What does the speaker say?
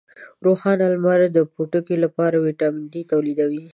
روښانه لمر د پوټکي لپاره ویټامین ډي تولیدوي.